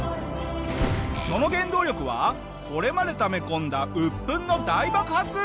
その原動力はこれまでため込んだ鬱憤の大爆発！